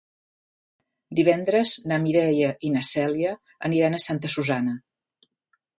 Divendres na Mireia i na Cèlia aniran a Santa Susanna.